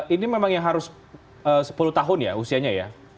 ini memang yang harus sepuluh tahun ya usianya ya